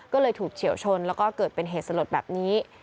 ก็เลยถูกเฉียวชนแล้วก็เกิดเป็นเหตุสลดแบบนี้